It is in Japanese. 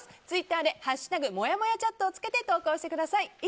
ツイッターで「＃もやもやチャット」をつけて投稿してください。